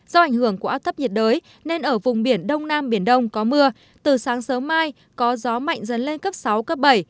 do ảnh hưởng của áp thấp nhiệt đới nên ở vùng biển đông nam biển đông có mưa từ sáng sớm mai có gió mạnh dần lên cấp sáu cấp bảy